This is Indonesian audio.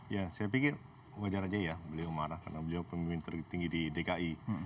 ya saya pikir wajar aja ya beliau marah karena beliau pemimpin tertinggi di dki